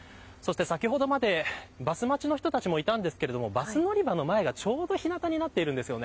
先ほどまで、バス待ちの人たちもいたんですがバス乗り場の前がちょうど日なたになっているんです。